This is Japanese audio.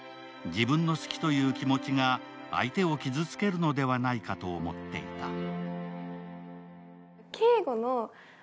自分の好きという気持ちが相手を傷つけるのではないかと思っていてた。